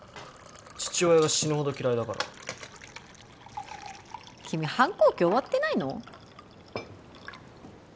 父親が死ぬほど嫌いだから君反抗期終わってないの？